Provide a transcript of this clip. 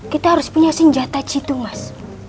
kita harus punya senjata situ mas